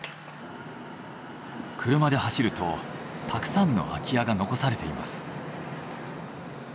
車で走るとたくさんの空き家が残されています。